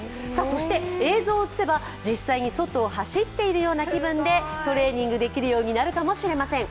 そして映像を映せば実際に外を走っているような気分でトレーニングできるようになるかもしれません。